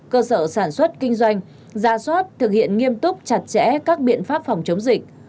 cơ sở sản xuất kinh doanh ra soát thực hiện nghiêm túc chặt chẽ các biện pháp phòng chống dịch